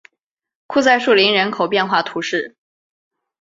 库赛树林人口变化图示